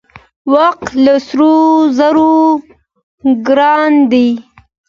وخت له سرو زرو ګران دی .